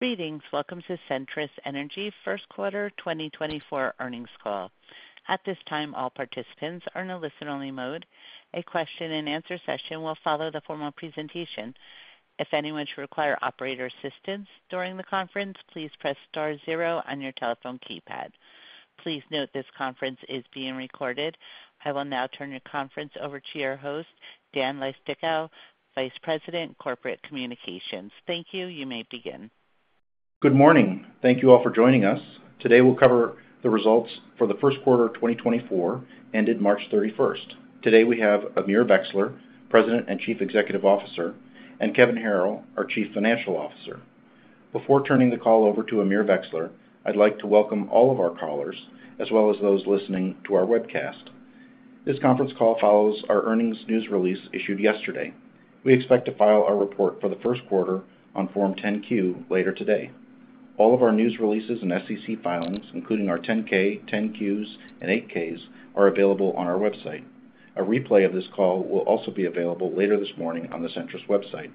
Greetings, welcome to Centrus Energy First Quarter 2024 earnings call. At this time, all participants are in a listen-only mode. A question-and-answer session will follow the formal presentation. If anyone should require operator assistance during the conference, please press star 0 on your telephone keypad. Please note this conference is being recorded. I will now turn your conference over to your host, Dan Leistikow, Vice President, Corporate Communications. Thank you, you may begin. Good morning, thank you all for joining us. Today we'll cover the results for the first quarter 2024 ended March 31st. Today we have Amir Vexler, President and Chief Executive Officer, and Kevin Harrill, our Chief Financial Officer. Before turning the call over to Amir Vexler, I'd like to welcome all of our callers as well as those listening to our webcast. This conference call follows our earnings news release issued yesterday. We expect to file our report for the first quarter on Form 10-Q later today. All of our news releases and SEC filings, including our 10-K, 10-Qs, and 8-Ks, are available on our website. A replay of this call will also be available later this morning on the Centrus website.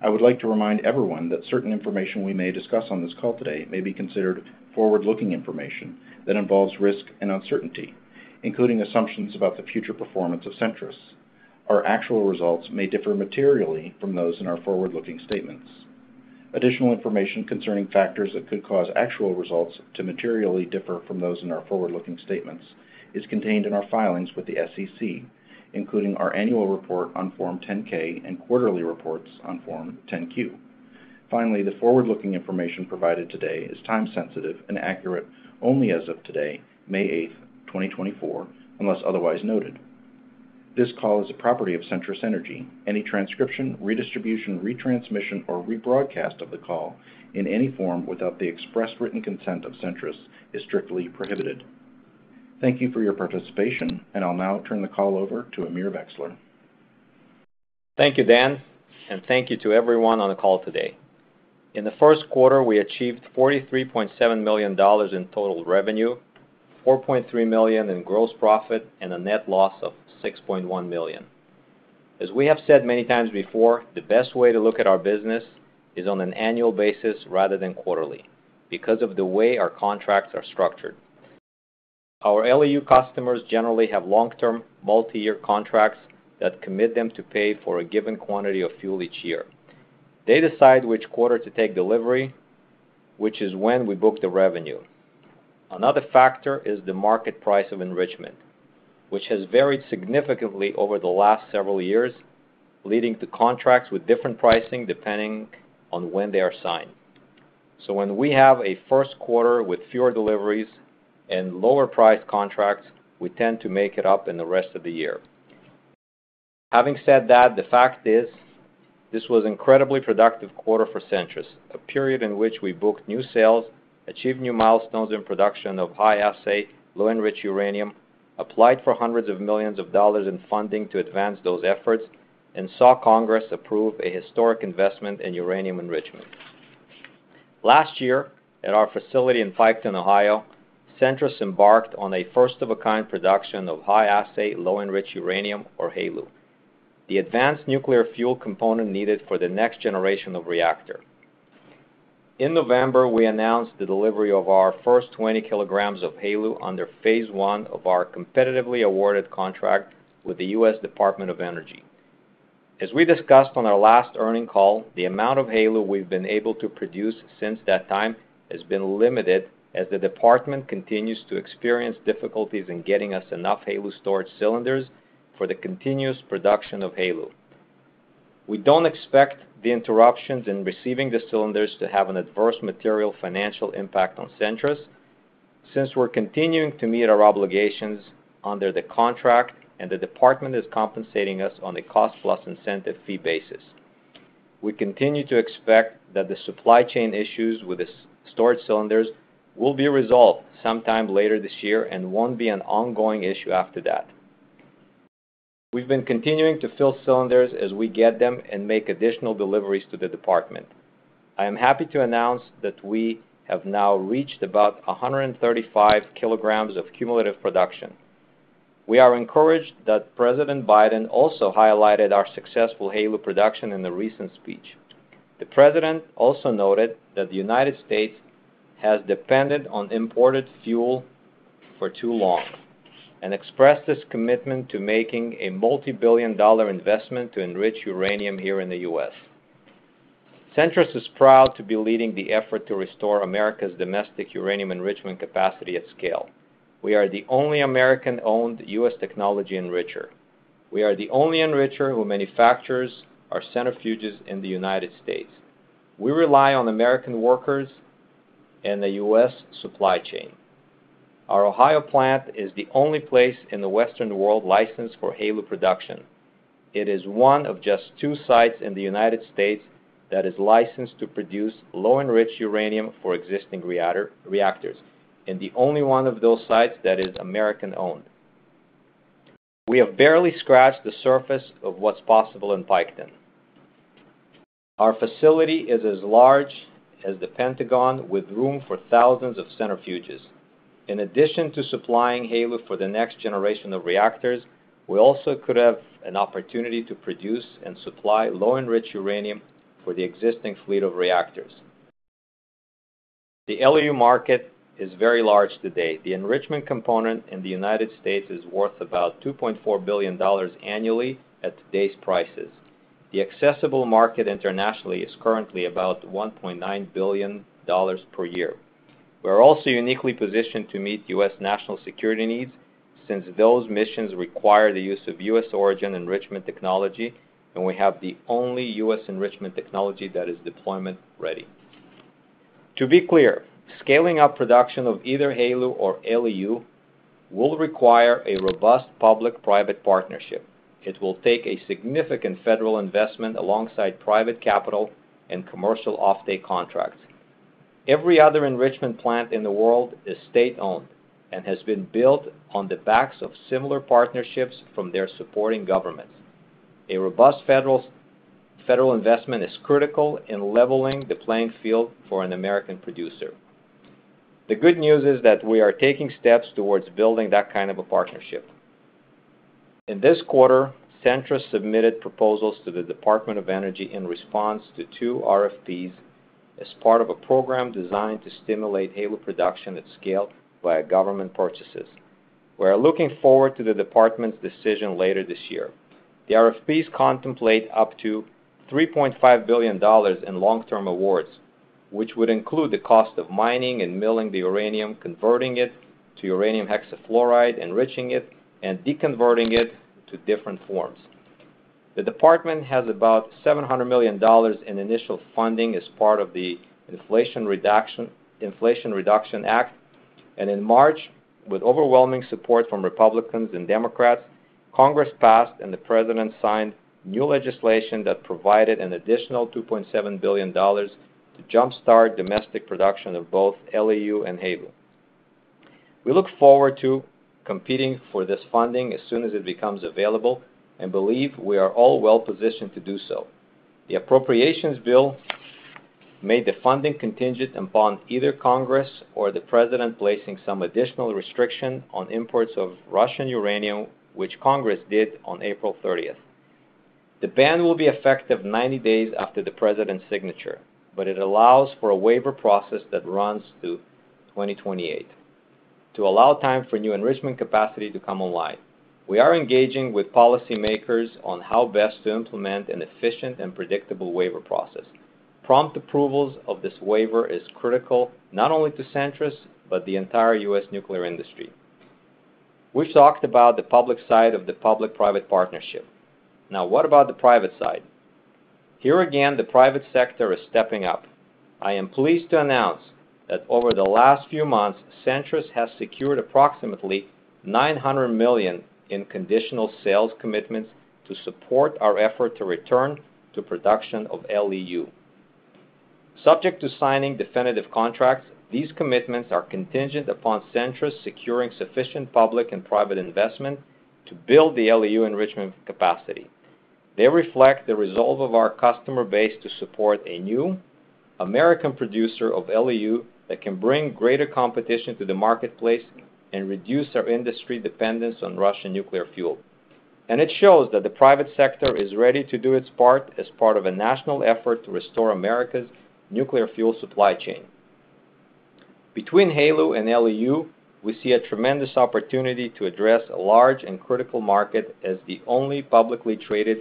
I would like to remind everyone that certain information we may discuss on this call today may be considered forward-looking information that involves risk and uncertainty, including assumptions about the future performance of Centrus. Our actual results may differ materially from those in our forward-looking statements. Additional information concerning factors that could cause actual results to materially differ from those in our forward-looking statements is contained in our filings with the SEC, including our annual report on Form 10-K and quarterly reports on Form 10-Q. Finally, the forward-looking information provided today is time-sensitive and accurate only as of today, May 8th, 2024, unless otherwise noted. This call is a property of Centrus Energy. Any transcription, redistribution, retransmission, or rebroadcast of the call in any form without the express written consent of Centrus is strictly prohibited. Thank you for your participation, and I'll now turn the call over to Amir Vexler. Thank you, Dan, and thank you to everyone on the call today. In the first quarter, we achieved $43.7 million in total revenue, $4.3 million in gross profit, and a net loss of $6.1 million. As we have said many times before, the best way to look at our business is on an annual basis rather than quarterly because of the way our contracts are structured. Our LEU customers generally have long-term, multi-year contracts that commit them to pay for a given quantity of fuel each year. They decide which quarter to take delivery, which is when we book the revenue. Another factor is the market price of enrichment, which has varied significantly over the last several years, leading to contracts with different pricing depending on when they are signed. So when we have a first quarter with fewer deliveries and lower-priced contracts, we tend to make it up in the rest of the year. Having said that, the fact is, this was an incredibly productive quarter for Centrus, a period in which we booked new sales, achieved new milestones in production of high-assay, low-enriched uranium, applied for $hundreds of millions in funding to advance those efforts, and saw Congress approve a historic investment in uranium enrichment. Last year, at our facility in Piketon, Ohio, Centrus embarked on a first-of-a-kind production of high-assay, low-enriched uranium, or HALEU, the advanced nuclear fuel component needed for the next generation of reactor. In November, we announced the delivery of our first 20 kilograms of HALEU under Phase 1 of our competitively awarded contract with the U.S. Department of Energy. As we discussed on our last earnings call, the amount of HALEU we've been able to produce since that time has been limited as the department continues to experience difficulties in getting us enough HALEU storage cylinders for the continuous production of HALEU. We don't expect the interruptions in receiving the cylinders to have an adverse material financial impact on Centrus since we're continuing to meet our obligations under the contract, and the department is compensating us on a Cost-Plus-Incentive Fee basis. We continue to expect that the supply chain issues with the storage cylinders will be resolved sometime later this year and won't be an ongoing issue after that. We've been continuing to fill cylinders as we get them and make additional deliveries to the department. I am happy to announce that we have now reached about 135 kilograms of cumulative production. We are encouraged that President Biden also highlighted our successful HALEU production in a recent speech. The President also noted that the United States has depended on imported fuel for too long and expressed his commitment to making a $ multi-billion investment to enrich uranium here in the U.S. Centrus is proud to be leading the effort to restore America's domestic uranium enrichment capacity at scale. We are the only American-owned U.S. technology enricher. We are the only enricher who manufactures our centrifuges in the United States. We rely on American workers and the U.S. supply chain. Our Ohio plant is the only place in the Western world licensed for HALEU production. It is one of just two sites in the United States that is licensed to produce low-enriched uranium for existing reactors, and the only one of those sites that is American-owned. We have barely scratched the surface of what's possible in Piketon. Our facility is as large as the Pentagon, with room for thousands of centrifuges. In addition to supplying HALEU for the next generation of reactors, we also could have an opportunity to produce and supply low-enriched uranium for the existing fleet of reactors. The LEU market is very large today. The enrichment component in the United States is worth about $2.4 billion annually at today's prices. The accessible market internationally is currently about $1.9 billion per year. We are also uniquely positioned to meet U.S. national security needs since those missions require the use of U.S.-origin enrichment technology, and we have the only U.S. enrichment technology that is deployment-ready. To be clear, scaling up production of either HALEU or LEU will require a robust public-private partnership. It will take a significant federal investment alongside private capital and commercial off-take contracts. Every other enrichment plant in the world is state-owned and has been built on the backs of similar partnerships from their supporting governments. A robust federal investment is critical in leveling the playing field for an American producer. The good news is that we are taking steps towards building that kind of a partnership. In this quarter, Centrus submitted proposals to the U.S. Department of Energy in response to two RFPs as part of a program designed to stimulate HALEU production at scale via government purchases. We are looking forward to the department's decision later this year. The RFPs contemplate up to $3.5 billion in long-term awards, which would include the cost of mining and milling the uranium, converting it to uranium hexafluoride, and deconverting it to different forms. The department has about $700 million in initial funding as part of the Inflation Reduction Act, and in March, with overwhelming support from Republicans and Democrats, Congress passed and the President signed new legislation that provided an additional $2.7 billion to jump-start domestic production of both LEU and HALEU. We look forward to competing for this funding as soon as it becomes available and believe we are all well-positioned to do so. The appropriations bill made the funding contingent upon either Congress or the President placing some additional restriction on imports of Russian uranium, which Congress did on April 30th. The ban will be effective 90 days after the President's signature, but it allows for a waiver process that runs through 2028 to allow time for new enrichment capacity to come alive. We are engaging with policymakers on how best to implement an efficient and predictable waiver process. Prompt approvals of this waiver are critical not only to Centrus but the entire U.S. nuclear industry. We've talked about the public side of the public-private partnership. Now, what about the private side? Here again, the private sector is stepping up. I am pleased to announce that over the last few months, Centrus has secured approximately $900 million in conditional sales commitments to support our effort to return to production of LEU. Subject to signing definitive contracts, these commitments are contingent upon Centrus securing sufficient public and private investment to build the LEU enrichment capacity. They reflect the resolve of our customer base to support a new, American producer of LEU that can bring greater competition to the marketplace and reduce our industry dependence on Russian nuclear fuel. It shows that the private sector is ready to do its part as part of a national effort to restore America's nuclear fuel supply chain. Between HALEU and LEU, we see a tremendous opportunity to address a large and critical market as the only publicly traded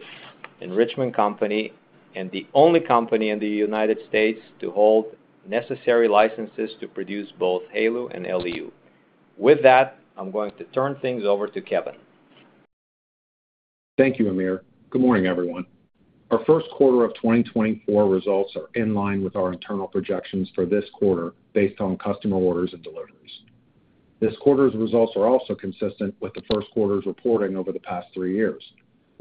enrichment company and the only company in the United States to hold necessary licenses to produce both HALEU and LEU. With that, I'm going to turn things over to Kevin. Thank you, Amir. Good morning, everyone. Our first quarter of 2024 results are in line with our internal projections for this quarter based on customer orders and deliveries. This quarter's results are also consistent with the first quarter's reporting over the past three years,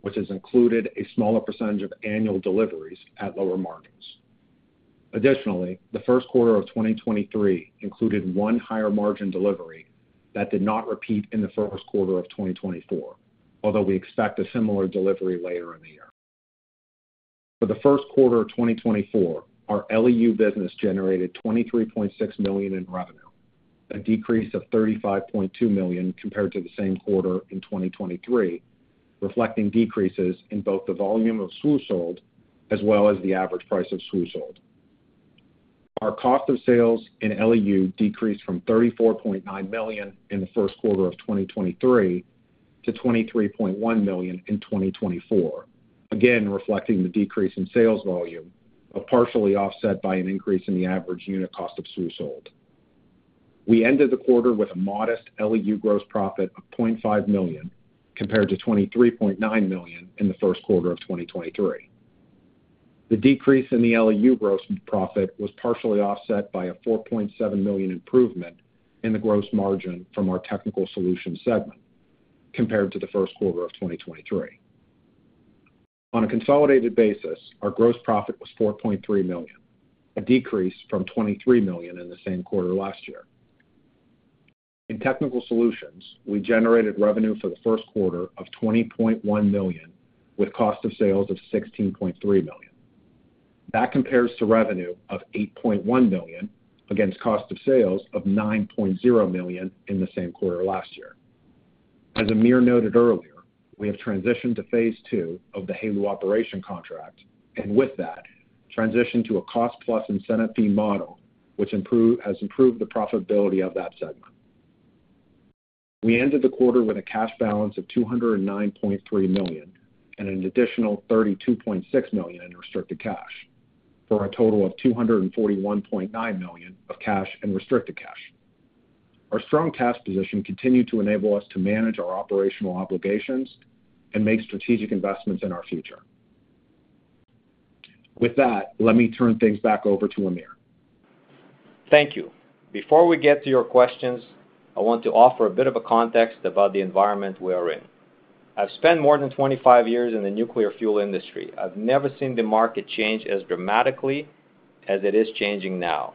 which has included a smaller percentage of annual deliveries at lower margins. Additionally, the first quarter of 2023 included one higher-margin delivery that did not repeat in the first quarter of 2024, although we expect a similar delivery later in the year. For the first quarter of 2024, our LEU business generated $23.6 million in revenue, a decrease of $35.2 million compared to the same quarter in 2023, reflecting decreases in both the volume of SWU sold as well as the average price of SWU sold. Our cost of sales in LEU decreased from $34.9 million in the first quarter of 2023 to $23.1 million in 2024, again reflecting the decrease in sales volume, partially offset by an increase in the average unit cost of SWU sold. We ended the quarter with a modest LEU gross profit of $0.5 million compared to $23.9 million in the first quarter of 2023. The decrease in the LEU gross profit was partially offset by a $4.7 million improvement in the gross margin from our technical solutions segment compared to the first quarter of 2023. On a consolidated basis, our gross profit was $4.3 million, a decrease from $23 million in the same quarter last year. In technical solutions, we generated revenue for the first quarter of $20.1 million with cost of sales of $16.3 million. That compares to revenue of $8.1 million against cost of sales of $9.0 million in the same quarter last year. As Amir noted earlier, we have transitioned to Phase 2 of the HALEU operation contract and, with that, transitioned to a Cost-Plus-Incentive Fee model, which has improved the profitability of that segment. We ended the quarter with a cash balance of $209.3 million and an additional $32.6 million in restricted cash, for a total of $241.9 million of cash and restricted cash. Our strong cash position continues to enable us to manage our operational obligations and make strategic investments in our future. With that, let me turn things back over to Amir. Thank you. Before we get to your questions, I want to offer a bit of a context about the environment we are in. I've spent more than 25 years in the nuclear fuel industry. I've never seen the market change as dramatically as it is changing now,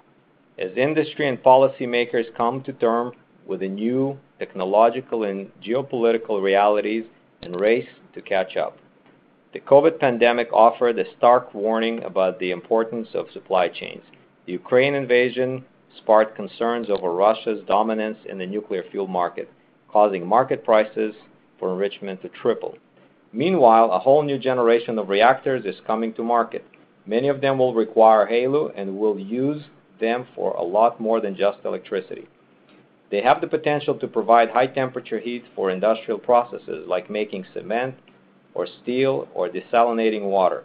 as industry and policymakers come to terms with the new technological and geopolitical realities and race to catch up. The COVID pandemic offered a stark warning about the importance of supply chains. The Ukraine invasion sparked concerns over Russia's dominance in the nuclear fuel market, causing market prices for enrichment to triple. Meanwhile, a whole new generation of reactors is coming to market. Many of them will require HALEU and will use them for a lot more than just electricity. They have the potential to provide high-temperature heat for industrial processes like making cement or steel or desalinating water.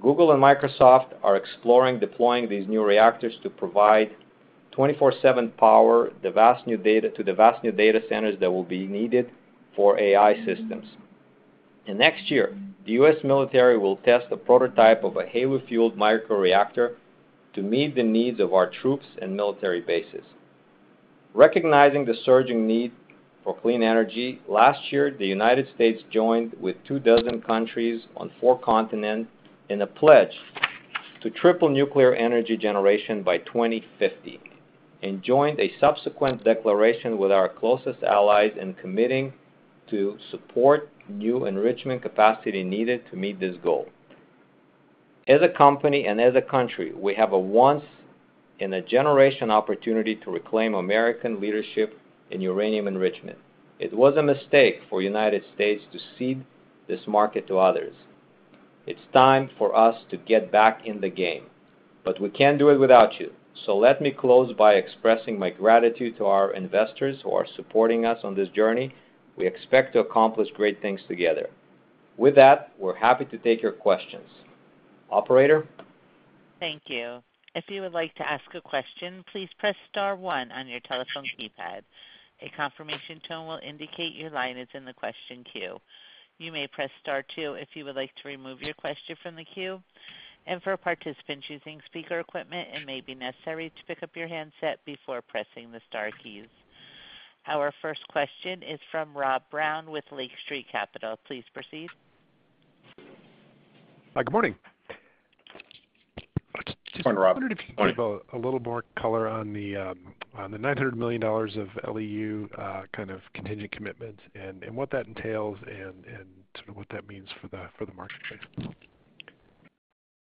Google and Microsoft are exploring deploying these new reactors to provide 24/7 power to the vast new data centers that will be needed for AI systems. Next year, the U.S. military will test a prototype of a HALEU-fueled microreactor to meet the needs of our troops and military bases. Recognizing the surging need for clean energy, last year, the United States joined with two dozen countries on four continents in a pledge to triple nuclear energy generation by 2050 and joined a subsequent declaration with our closest allies in committing to support new enrichment capacity needed to meet this goal. As a company and as a country, we have a once-in-a-generation opportunity to reclaim American leadership in uranium enrichment. It was a mistake for the United States to cede this market to others. It's time for us to get back in the game, but we can't do it without you. Let me close by expressing my gratitude to our investors who are supporting us on this journey. We expect to accomplish great things together. With that, we're happy to take your questions. Operator? Thank you. If you would like to ask a question, please press star one on your telephone keypad. A confirmation tone will indicate your line is in the question queue. You may press star two if you would like to remove your question from the queue. For participants using speaker equipment, it may be necessary to pick up your handset before pressing the star keys. Our first question is from Rob Brown with Lake Street Capital Markets. Please proceed. Good morning. I just wondered if you could give a little more color on the $900 million of LEU kind of contingent commitments and what that entails and sort of what that means for the marketplace.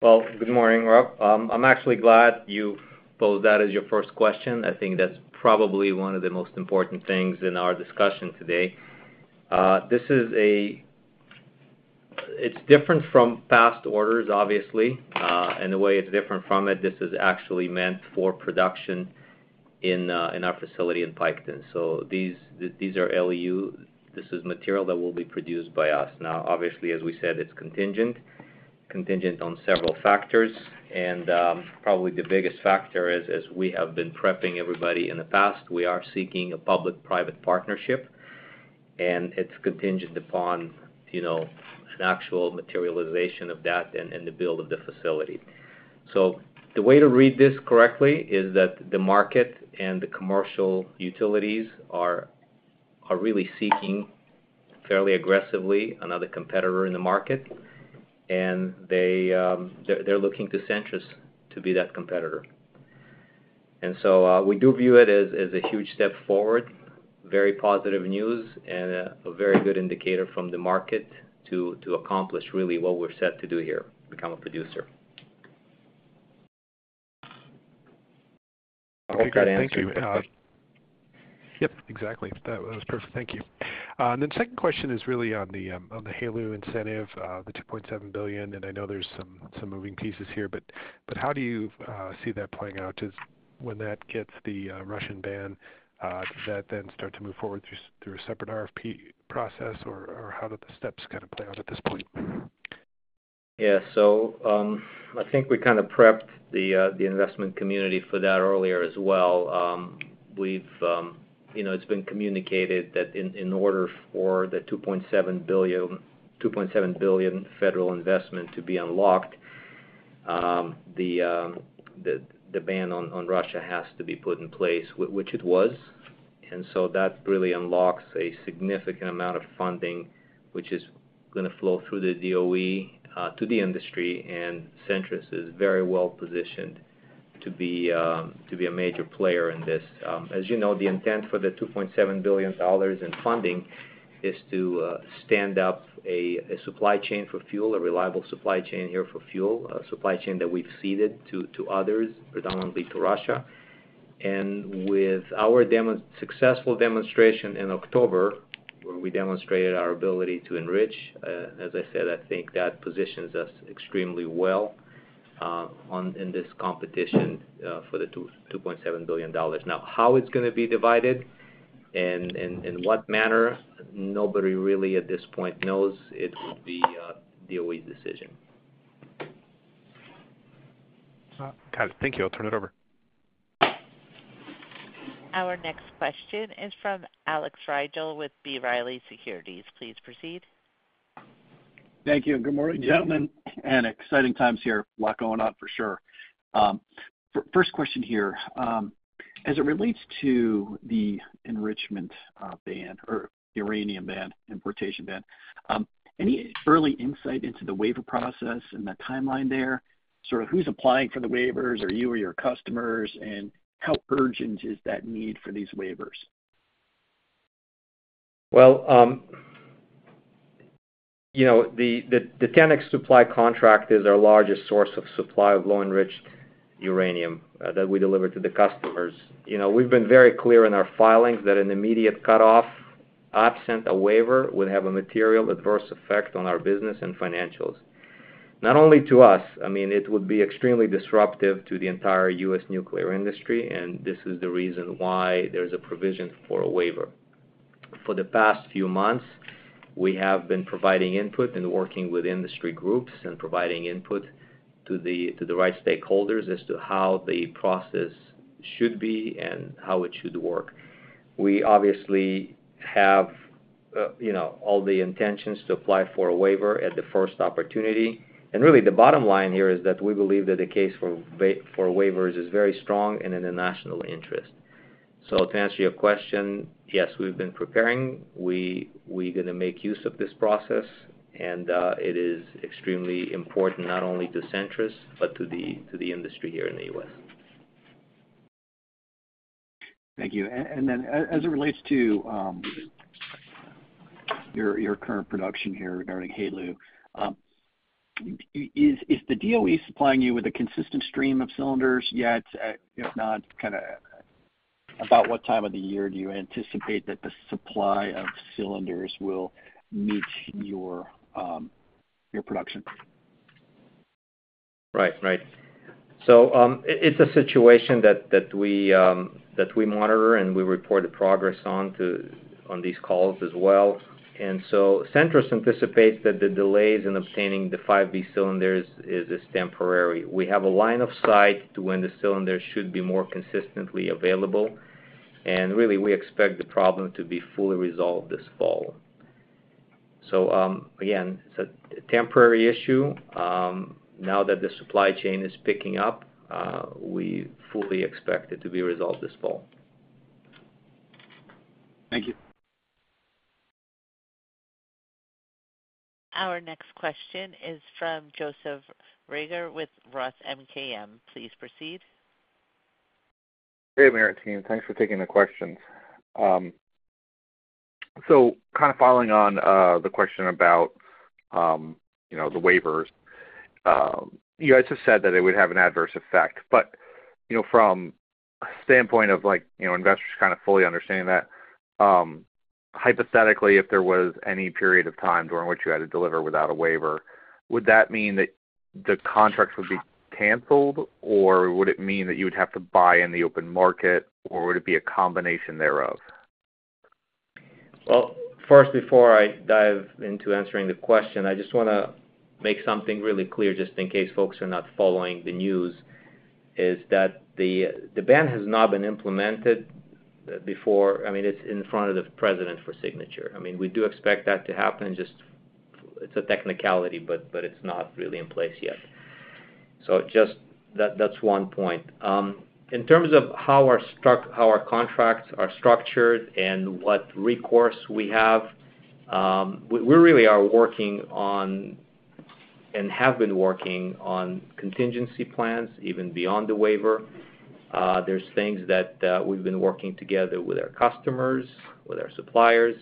Well, good morning, Rob. I'm actually glad you posed that as your first question. I think that's probably one of the most important things in our discussion today. It's different from past orders, obviously. The way it's different from it, this is actually meant for production in our facility in Piketon. These are LEU. This is material that will be produced by us. Now, obviously, as we said, it's contingent on several factors. Probably the biggest factor is, as we have been prepping everybody in the past, we are seeking a public-private partnership. It's contingent upon an actual materialization of that and the build of the facility. The way to read this correctly is that the market and the commercial utilities are really seeking fairly aggressively another competitor in the market. They're looking to Centrus to be that competitor. And so we do view it as a huge step forward, very positive news, and a very good indicator from the market to accomplish really what we're set to do here, become a producer. I hope that answers your question. Thank you. Yep, exactly. That was perfect. Thank you. And then the second question is really on the HALEU incentive, the $2.7 billion. And I know there's some moving pieces here, but how do you see that playing out? When that gets the Russian ban, does that then start to move forward through a separate RFP process, or how do the steps kind of play out at this point? Yeah. So I think we kind of prepped the investment community for that earlier as well. It's been communicated that in order for the $2.7 billion federal investment to be unlocked, the ban on Russia has to be put in place, which it was. And so that really unlocks a significant amount of funding, which is going to flow through the DOE to the industry. And Centrus is very well-positioned to be a major player in this. As you know, the intent for the $2.7 billion in funding is to stand up a supply chain for fuel, a reliable supply chain here for fuel, a supply chain that we've ceded to others, predominantly to Russia. And with our successful demonstration in October, where we demonstrated our ability to enrich, as I said, I think that positions us extremely well in this competition for the $2.7 billion. Now, how it's going to be divided and in what manner, nobody really at this point knows. It will be DOE's decision. Got it. Thank you. I'll turn it over. Our next question is from Alex Rygiel with B. Riley Securities. Please proceed. Thank you. Good morning, gentlemen. Exciting times here. A lot going on, for sure. First question here. As it relates to the enrichment ban or the uranium ban, importation ban, any early insight into the waiver process and the timeline there? Sort of who's applying for the waivers? Are you or your customers? How urgent is that need for these waivers? Well, the TENEX Supply contract is our largest source of supply of low-enriched uranium that we deliver to the customers. We've been very clear in our filings that an immediate cutoff, absent a waiver, would have a material adverse effect on our business and financials, not only to us. I mean, it would be extremely disruptive to the entire U.S. nuclear industry. And this is the reason why there's a provision for a waiver. For the past few months, we have been providing input and working with industry groups and providing input to the right stakeholders as to how the process should be and how it should work. We obviously have all the intentions to apply for a waiver at the first opportunity. And really, the bottom line here is that we believe that the case for waivers is very strong and in the national interest. So to answer your question, yes, we've been preparing. We're going to make use of this process. It is extremely important, not only to Centrus but to the industry here in the U.S. Thank you. And then as it relates to your current production here regarding HALEU, is the DOE supplying you with a consistent stream of cylinders yet? If not, kind of about what time of the year do you anticipate that the supply of cylinders will meet your production? Right. Right. So it's a situation that we monitor and we report the progress on these calls as well. And so Centrus anticipates that the delays in obtaining the 5B cylinders is temporary. We have a line of sight to when the cylinders should be more consistently available. And really, we expect the problem to be fully resolved this fall. So again, it's a temporary issue. Now that the supply chain is picking up, we fully expect it to be resolved this fall. Thank you. Our next question is from Joseph Reagor with Roth MKM. Please proceed. Hey, Amir, team. Thanks for taking the questions. So kind of following on the question about the waivers, you guys have said that it would have an adverse effect. But from a standpoint of investors kind of fully understanding that, hypothetically, if there was any period of time during which you had to deliver without a waiver, would that mean that the contracts would be canceled, or would it be a combination thereof? Well, first, before I dive into answering the question, I just want to make something really clear just in case folks are not following the news. Is that the ban has not been implemented before. I mean, it's in front of the President for signature. I mean, we do expect that to happen. It's a technicality, but it's not really in place yet. So that's one point. In terms of how our contracts are structured and what recourse we have, we really are working on and have been working on contingency plans even beyond the waiver. There's things that we've been working together with our customers, with our suppliers.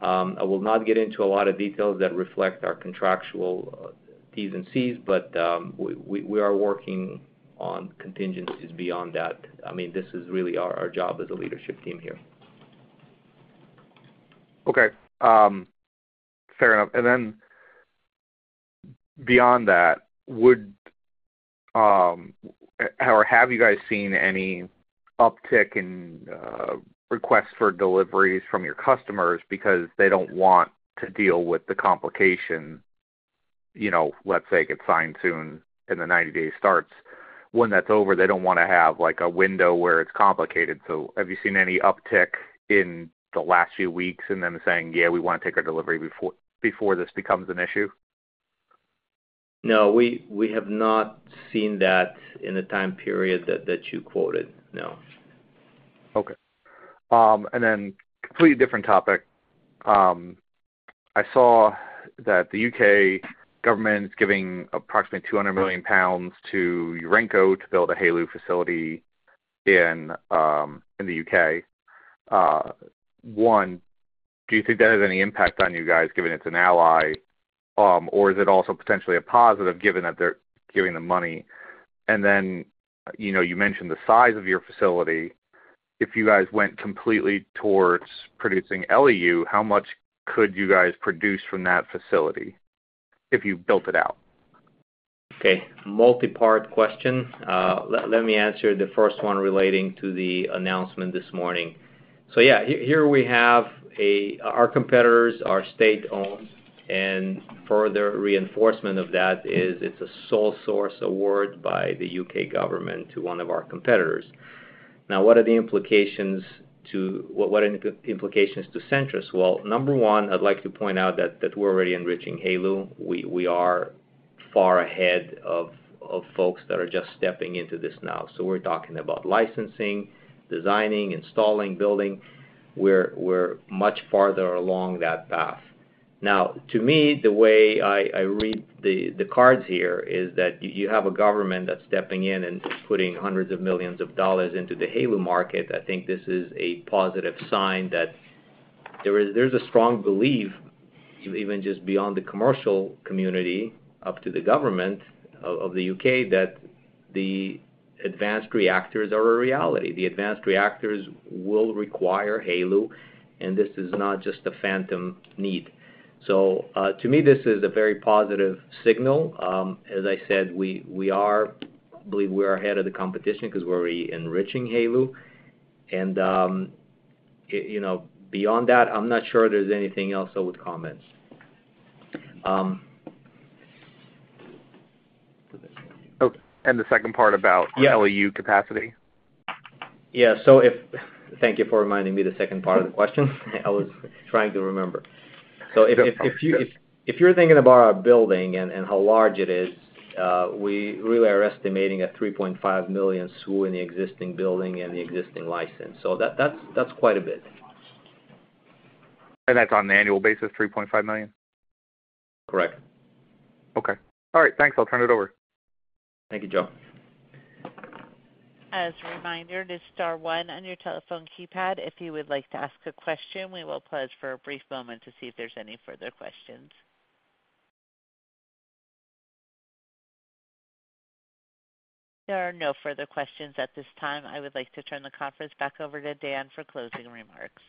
I will not get into a lot of details that reflect our contractual T's and C's, but we are working on contingencies beyond that. I mean, this is really our job as a leadership team here. Okay. Fair enough. And then beyond that, or have you guys seen any uptick in requests for deliveries from your customers because they don't want to deal with the complication? Let's say it gets signed soon and the 90-day starts. When that's over, they don't want to have a window where it's complicated. So have you seen any uptick in the last few weeks and them saying, "Yeah, we want to take our delivery before this becomes an issue"? No, we have not seen that in the time period that you quoted. No. Okay. Then completely different topic. I saw that the U.K. government is giving approximately 200 million pounds to Urenco to build a HALEU facility in the U.K. One, do you think that has any impact on you guys given it's an ally, or is it also potentially a positive given that they're giving them money? And then you mentioned the size of your facility. If you guys went completely towards producing LEU, how much could you guys produce from that facility if you built it out? Okay. Multi-part question. Let me answer the first one relating to the announcement this morning. So yeah, here we have our competitors are state-owned. And further reinforcement of that is it's a sole source award by the U.K. government to one of our competitors. Now, what are the implications to Centrus? Well, number one, I'd like to point out that we're already enriching HALEU. We are far ahead of folks that are just stepping into this now. So we're talking about licensing, designing, installing, building. We're much farther along that path. Now, to me, the way I read the cards here is that you have a government that's stepping in and putting $hundreds of millions into the HALEU market. I think this is a positive sign that there's a strong belief, even just beyond the commercial community, up to the government of the U.K., that the advanced reactors are a reality. The advanced reactors will require HALEU. This is not just a phantom need. To me, this is a very positive signal. As I said, I believe we are ahead of the competition because we're already enriching HALEU. Beyond that, I'm not sure there's anything else I would comment. Okay. And the second part about LEU capacity? Yeah. Thank you for reminding me the second part of the question. I was trying to remember. So if you're thinking about our building and how large it is, we really are estimating 3.5 million SWU in the existing building and the existing license. So that's quite a bit. That's on an annual basis, 3.5 million? Correct. Okay. All right. Thanks. I'll turn it over. Thank you, Joe. As a reminder, this is star one on your telephone keypad. If you would like to ask a question, we will pause for a brief moment to see if there's any further questions. There are no further questions at this time. I would like to turn the conference back over to Dan for closing remarks.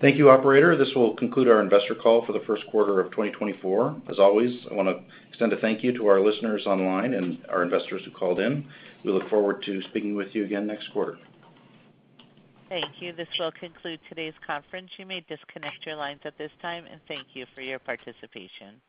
Thank you, operator. This will conclude our investor call for the first quarter of 2024. As always, I want to extend a thank you to our listeners online and our investors who called in. We look forward to speaking with you again next quarter. Thank you. This will conclude today's conference. You may disconnect your lines at this time. Thank you for your participation.